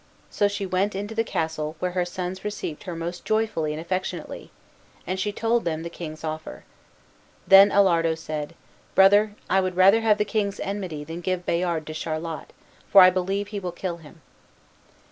So she went into the castle, where her sons received her most joyfully and affectionately, and she told them the king's offer. Then Alardo said, "Brother, I would rather have the king's enmity than give Bayard to Charlot, for I believe he will kill him."